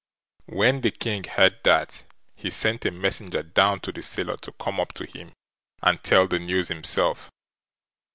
When the King heard that he sent a messenger down to the sailor to come up to him and tell the news himself.